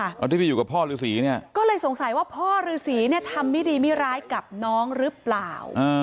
เอาที่ไปอยู่กับพ่อฤษีเนี่ยก็เลยสงสัยว่าพ่อฤษีเนี่ยทำไม่ดีไม่ร้ายกับน้องหรือเปล่า